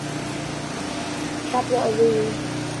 Enugu, Aba, and Umuahia were the other capitals before Owerri.